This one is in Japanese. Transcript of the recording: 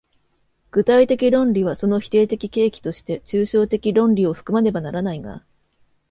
具体的論理はその否定的契機として抽象的論理を含まねばならないが、